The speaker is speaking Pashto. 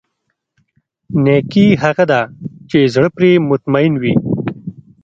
نېکي هغه ده چې زړه پرې مطمئن وي.